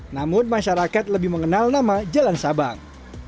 namun masyarakat lebih mengenal nama jalan sabang